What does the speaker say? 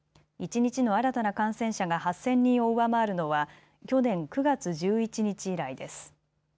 一日の新たな感染者が８０００人を上回るのは去年９月１１日以来です。